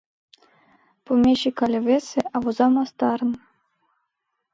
— Помещик але весе, а воза мастарын!